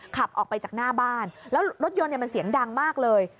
ขับออกไปจากหน้าบ้านแล้วรถยนต์มันเสียงดังมากเลย